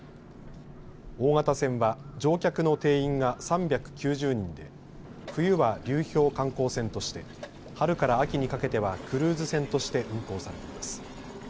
大型船は乗客の定員が３９０人で冬は流氷観光船として、春から秋にかけてはクルーズ船として運航されています。